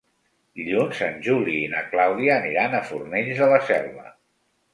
Dilluns en Juli i na Clàudia aniran a Fornells de la Selva.